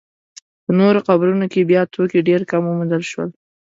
په نورو قبرونو کې بیا توکي ډېر کم وموندل شول.